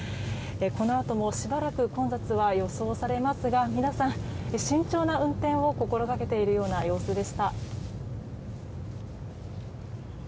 このあともしばらく混雑は予想されますが皆さん、慎重な運転を心がけているような様子でした。